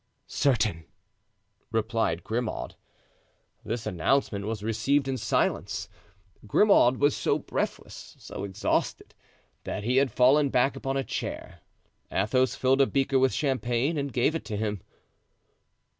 "Certain," replied Grimaud. This announcement was received in silence. Grimaud was so breathless, so exhausted, that he had fallen back upon a chair. Athos filled a beaker with champagne and gave it to him.